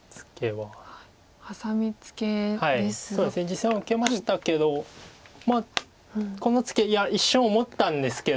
実戦受けましたけどまあこのツケいや一瞬思ったんですけど。